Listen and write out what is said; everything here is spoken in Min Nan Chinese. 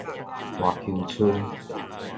大坵村